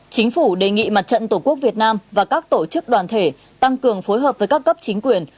chính phủ đề nghị mặt trận tổ quốc việt nam và các tổ chức đoàn thể tăng cường phối hợp với các cấp chính quyền